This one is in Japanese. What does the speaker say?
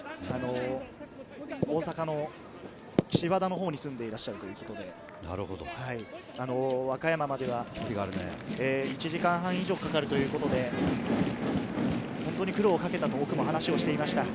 大阪の岸和田のほうに住んでいらっしゃるということで、和歌山までは１時間半以上かかるということで、本当に苦労をかけたと奥も話をしていました。